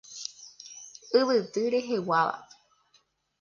Yvyty reheguáva.